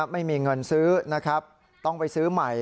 ไม่มีเงินซื้อนะครับต้องไปซื้อใหม่